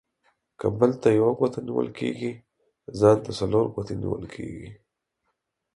که بل ته يوه گوته نيول کېږي ، ځان ته څلور گوتي نيول کېږي.